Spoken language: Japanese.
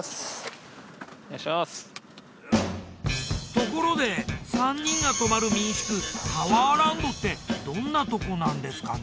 ところで３人が泊まる民宿パワーランドってどんなとこなんですかね？